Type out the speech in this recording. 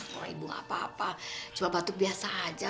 kalau ibu apa apa cuma batuk biasa aja